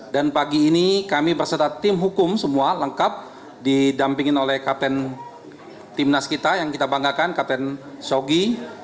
dan pagi ini kami berserta tim hukum semua lengkap didampingin oleh kapten timnas kita yang kita banggakan kapten sogi